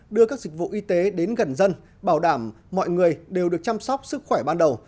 đưa các dịch vụ y tế đến gần dân bảo đảm mọi người đều được chăm sóc sức khỏe ban đầu